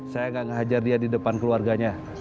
saya gak ngehajar dia di depan keluarganya